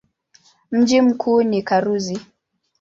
Mji mkuu ni Karuzi.